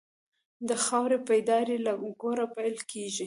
د خاورې بیداري له کوره پیل کېږي.